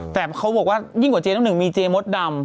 แต่เขาบอกว่ายิ่งกว่าเจ๊น้ำหนึ่งมีเจมดดำ